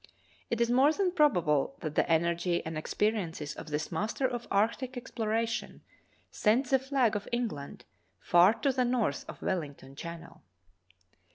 It is more than prob able that the energy and experiences of this master of arctic exploration sent the flag of England far to the north of Wellington Channel.